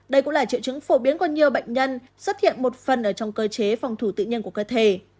đây cũng là triệu chứng phổ biến của nhiều bệnh nhân xuất hiện một phần ở trong cơ chế phòng thủ tự nhiên của cơ thể